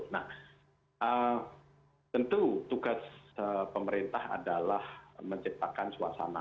nah tentu tugas pemerintah adalah menciptakan suasana